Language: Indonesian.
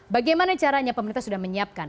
bagaimana caranya pemerintah sudah menyiapkan